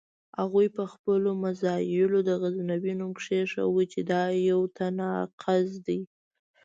هغوی په خپلو مزایلو د غزنوي نوم کېښود چې دا یو تناقض دی.